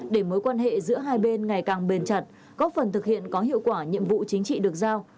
để mối quan hệ giữa hai bên ngày càng bền chặt góp phần thực hiện có hiệu quả nhiệm vụ chính trị được giao